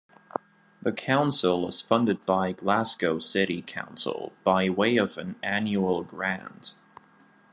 The council is funded by Glasgow City Council by way of an annual grant.